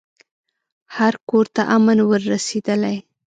هر کورته امن ور رسېدلی